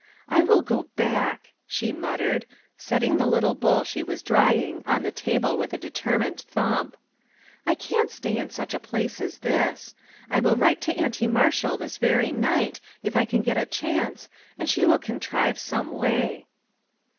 " I will go back !" she muttered, setting the little bowl she was drying on the table with a determined thump. " I can't stay in such a place as this. I will write to Auntie Marshall this very night if I can get a chance, and she will contrive some way."